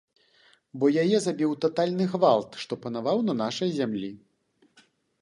Бо яе забіў татальны гвалт, што панаваў на нашай зямлі.